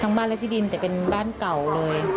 บ้านและที่ดินแต่เป็นบ้านเก่าเลย